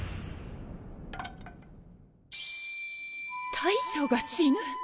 大将が死ぬ！？